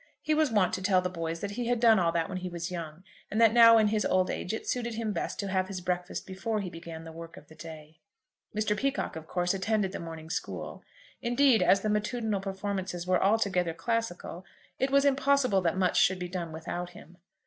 He was wont to tell the boys that he had done all that when he was young, and that now in his old age it suited him best to have his breakfast before he began the work of the day. Mr. Peacocke, of course, attended the morning school. Indeed, as the matutinal performances were altogether classical, it was impossible that much should be done without him.